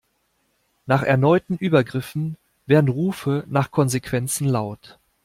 Nach erneuten Übergriffen werden Rufe nach Konsequenzen laut.